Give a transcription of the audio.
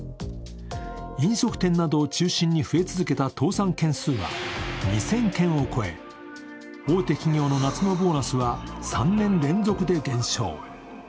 飲食店などを中心に増え続けた倒産件数は２０００件を超え、大手企業の夏のボーナスは３年連続で減少。